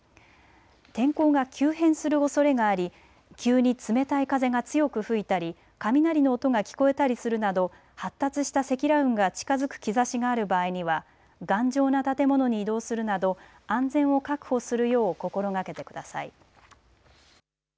天候が急変するおそれがあり急に冷たい風が強く吹いたり雷の音が聞こえたりするなど発達した積乱雲が近づく兆しがある場合には頑丈な建物に移動するなど安全を確保するよう心がけてください。